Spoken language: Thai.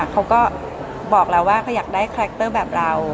เขาก็บอกแล้วว่าเขาอยากได้คาแรคเตอร์แบบเรา